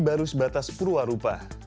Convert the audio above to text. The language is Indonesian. terus batas perwarupah